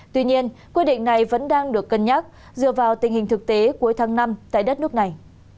tuy nhiên quy định này vẫn đang được cân nhắc dựa vào tình hình thực tế cuối tháng năm tại đất nước này